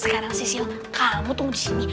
sekarang sisil kamu tunggu di sini